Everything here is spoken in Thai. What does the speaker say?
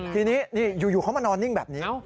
ทีนี้นี่อยู่เขามานอนนิ่งแบบนี้